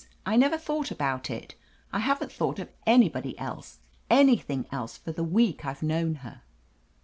I never thought about it. I haven't thought of anybody else — anything else, for the week I've known her."